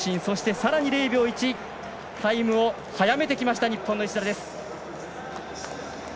さらに０秒１タイムを速めてきた日本の石田です。